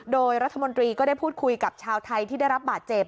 โดยรัฐมนตรีก็ได้พูดคุยกับชาวไทยที่ได้รับบาดเจ็บ